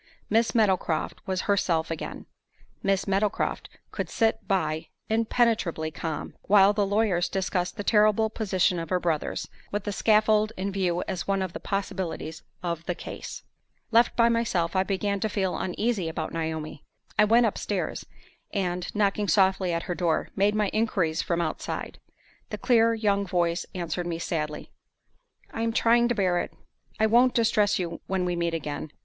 Miss Meadowcroft was herself again. Miss Meadowcroft could sit by, impenetrably calm, while the lawyers discussed the terrible position of her brothers, with the scaffold in view as one of the possibilities of the "case." Left by myself, I began to feel uneasy about Naomi. I went upstairs, and, knocking softly at her door, made my inquiries from outside. The clear young voice answered me sadly, "I am trying to bear it: I won't distress you when we meet again."